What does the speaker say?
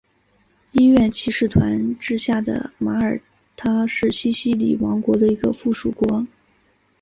医院骑士团治下的马耳他是西西里王国的一个附庸国。